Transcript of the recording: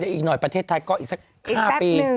อีกหน่อยประเทศไทยก็อีกสัก๕ปี